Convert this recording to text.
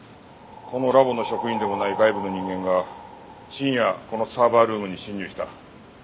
このラボの職員でもない外部の人間が深夜このサーバールームに侵入した。